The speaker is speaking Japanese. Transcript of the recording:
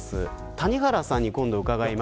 谷原さんに今度伺います。